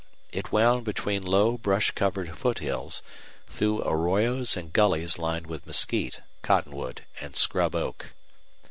It wound between low, brush covered foothills, through arroyos and gullies lined with mesquite, cottonwood, and scrub oak.